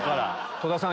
戸田さん